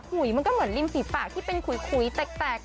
มันก็เหมือนริมฝีปากที่เป็นขุยแตก